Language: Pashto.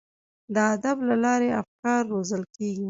د ادب له لارې افکار روزل کیږي.